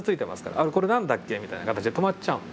あこれ何だっけみたいな形で止まっちゃうんですね。